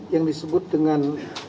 yang disebut dengan